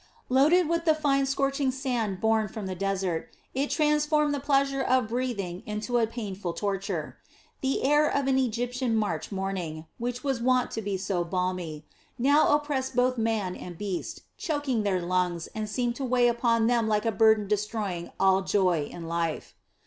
Loaded with the fine scorching sand borne from the desert, it transformed the pleasure of breathing into a painful torture. The air of an Egyptian March morning, which was wont to be so balmy, now oppressed both man and beast, choking their lungs and seeming to weigh upon them like a burden destroying all joy in life.